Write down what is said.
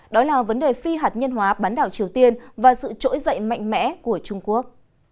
đó là vấn đề phi hạt nhân hóa bán đảo triều tiên và sự trỗi dậy mạnh mẽ của trung quốc